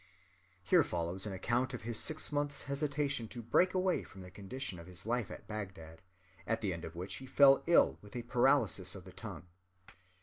[Here follows an account of his six months' hesitation to break away from the conditions of his life at Bagdad, at the end of which he fell ill with a paralysis of the tongue.